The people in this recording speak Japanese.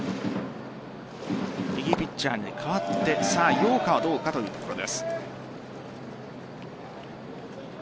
右ピッチャーに代わって陽川はどうかというところです。